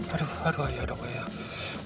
aduh aduh ayah dong ayah